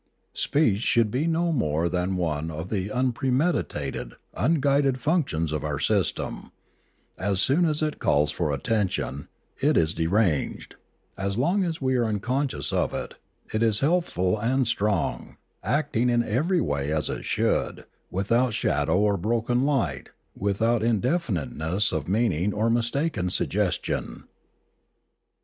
Speech should be no more than one of the unpremeditated, unguided func tions of our system; as soon as it calls for attention, it is deranged; as long as we are unconscious of it, it is healthful and strong, acting in every way as it should, without shadow or broken light, without indefinite ness of meaning or mistaken suggestion.